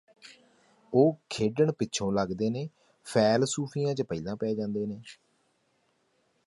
ਉਹ ਖੇਡਣ ਪਿਛੋਂ ਲੱਗਦੇ ਨੇ ਫੈਲਸੂਫ਼ੀਆਂ ਚ ਪਹਿਲਾਂ ਪੈ ਜਾਂਦੇ ਨੇ